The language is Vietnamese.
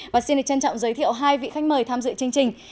và xin được trân trọng giới thiệu hai vị khách mời tham dự chương trình